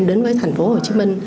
đến với tp hcm